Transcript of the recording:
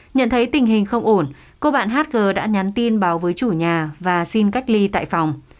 nhận thấy tình hình không ổn cô bạn hátg đã nhắn tin báo với chủ nhà và xin cách ly tại phòng